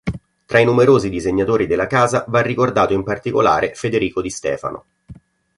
Tra i numerosi disegnatori della casa va ricordato in particolare Federico Distefano.